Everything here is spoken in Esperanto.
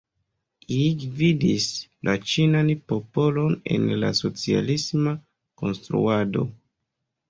Ili gvidis la ĉinan popolon en la socialisma konstruado.